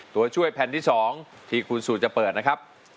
ตัวช่วยแผ่นที่๒ที่คุณสูตรจะเปิดนะครับ